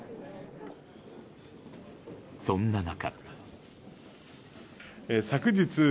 そんな中。